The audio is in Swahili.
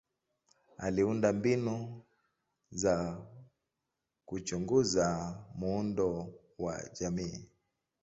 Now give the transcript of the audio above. Aliunda mbinu za kuchunguza muundo wa jamii.